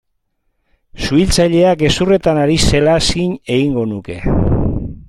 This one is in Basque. Suhiltzailea gezurretan ari zela zin egingo nuke.